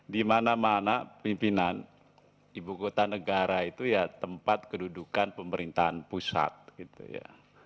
di mana mana pimpinan ibu kota negara itu ya tempat kedudukan pemerintahan pusat gitu ya